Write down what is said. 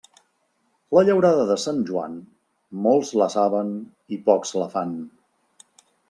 La llaurada de Sant Joan, molts la saben i pocs la fan.